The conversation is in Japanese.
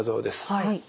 はい。